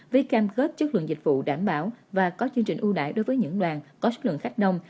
với cam kết chất lượng dịch vụ đảm bảo và có chương trình ưu đại đối với những đoàn có số lượng khách đông